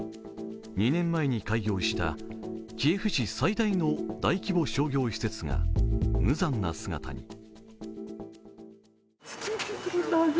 ２年前に開業したキエフ市最大の大規模商業施設が無惨な姿に。